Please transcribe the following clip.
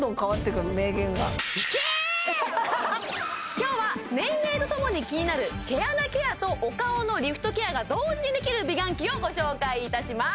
今日は年齢とともに気になる毛穴ケアとお顔のリフトケアが同時にできる美顔器をご紹介いたします